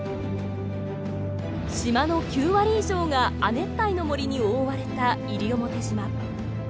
島の９割以上が亜熱帯の森に覆われた西表島。